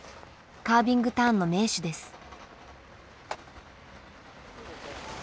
カービングターンの名手です。